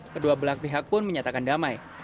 kedua belah pihak pun menyatakan damai